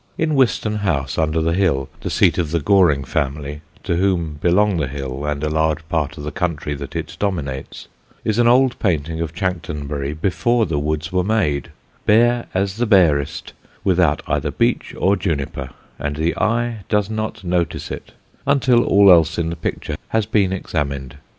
In Wiston House, under the hill, the seat of the Goring family, to whom belong the hill and a large part of the country that it dominates, is an old painting of Chanctonbury before the woods were made, bare as the barest, without either beech or juniper, and the eye does not notice it until all else in the picture has been examined.